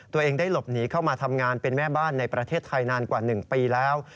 ตัวเองได้หลบหนีเข้ามาทำงานเป็นแม่บ้านในประเทศไทยนานกว่า๑ปีแล้ว